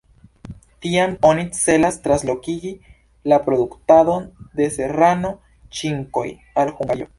Tiam oni celas translokigi la produktadon de serrano-ŝinkoj al Hungario.